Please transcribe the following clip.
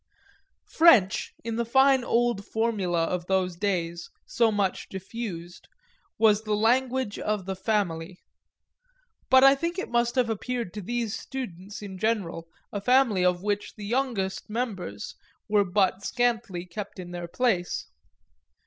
French, in the fine old formula of those days, so much diffused, "was the language of the family"; but I think it must have appeared to these students in general a family of which the youngest members were but scantly kept in their place.